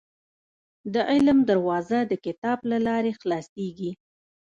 • د علم دروازه، د کتاب له لارې خلاصېږي.